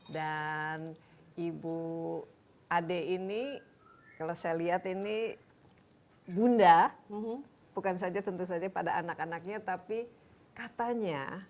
dan ibu ade ini kalau saya lihat ini bunda bukan saja tentu saja pada anak anaknya tapi katanya